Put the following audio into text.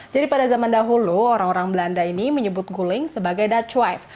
jadi pada zaman dahulu orang orang belanda ini menyebut guling sebagai dutch wife